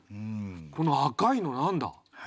この赤いの何だ？